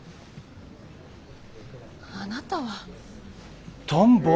あなたは。